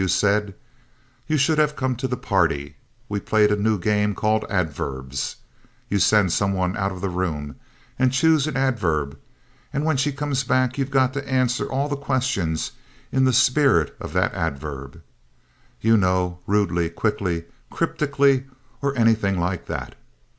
W. said, "You should have come to the party. We played a new game called 'adverbs.' You send somebody out of the room and choose an adverb, and when she comes back you've got to answer all the questions in the spirit of that adverb. You know rudely, quickly, cryptically, or anything like that.